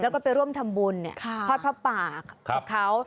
แล้วก็ไปร่วมทำบุญเนี่ยพระพระของเขา